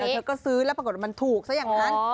เธอก็ซื้อแล้วปรากฏว่ามันถูกซะอย่างนั้น